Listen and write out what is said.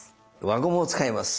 輪ゴムを使います。